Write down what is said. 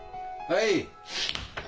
はい。